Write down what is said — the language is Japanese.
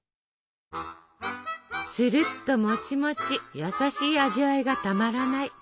つるっともちもち優しい味わいがたまらない